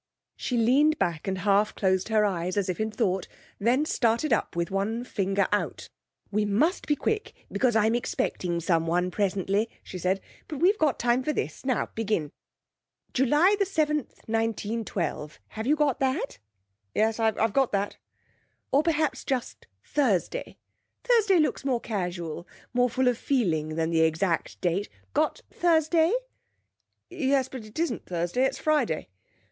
She leant back and half closed her eyes, as if in thought; then started up with one finger out. 'We must be quick, because I'm expecting someone presently,' she said. 'But we've got time for this. Now begin. July 7th, 1912. Have you got that?' 'Yes, I've got that.' 'Or, perhaps, just Thursday. Thursday looks more casual, more full of feeling than the exact date. Got Thursday?' 'Yes, but it isn't Thursday, it's Friday.'